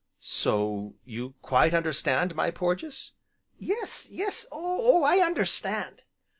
"So you quite understand, my Porges?" "Yes, yes Oh I understand!"